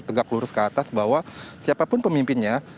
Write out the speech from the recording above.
tegak lurus ke atas bahwa siapapun pemimpinnya